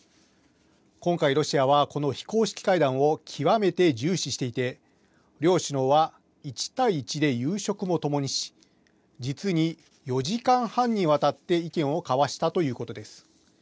今回、ロシアはこの非公式会談を極めて重視していて、両首脳は１対１で夕食を共にし、実に４時間半にわたって意見を交わしたということです。